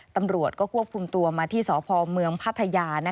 ตำรวจก็ควบคุมตัวมาที่สพเมืองพัทยา